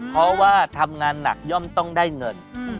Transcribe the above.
เพราะว่าทำงานหนักย่อมต้องได้เงิน